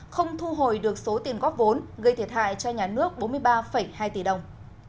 không thu hồi được số tiền góp vốn gây thiệt hại cho nhà nước bốn mươi ba hai tỷ đồng